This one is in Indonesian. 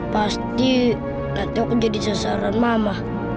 pasti nanti aku jadi sengsara mama